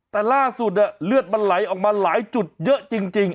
แต่ล่าสุดเลือดมันไหลออกมาหลายจุดเยอะจริง